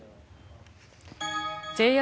ＪＲ